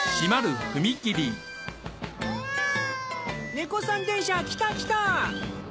猫さん電車来た来た！